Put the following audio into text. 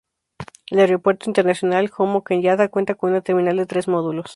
El aeropuerto internacional Jomo Kenyatta cuenta con una terminal de tres módulos.